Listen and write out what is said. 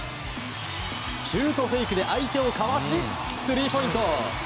シュートフェイクで相手をかわしスリーポイント！